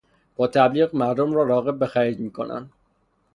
با تبلیغ، مردم را راغب به خرید میکنند.